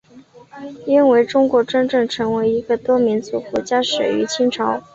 因为中国真正成为一个多民族国家始于清朝。